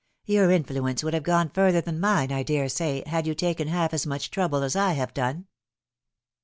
" Your influence would have gone further than mine, I daresay, had you taken half as much trouble as I have done."